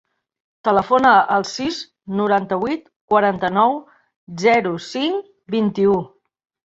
Telefona al sis, noranta-vuit, quaranta-nou, zero, cinc, vint-i-u.